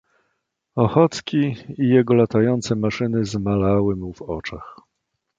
"Ochocki i jego latające maszyny zmalały mu w oczach."